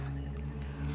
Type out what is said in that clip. tidak ada perubahan